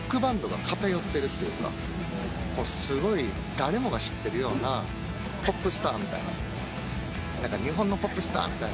誰もが知ってるようなポップスターみたいな。